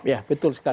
ya betul sekali